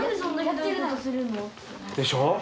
でしょ？